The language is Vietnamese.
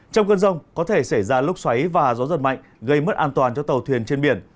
trong cơn rông có thể xảy ra lốc xoáy và gió giật mạnh gây mất an toàn cho tàu thuyền trên biển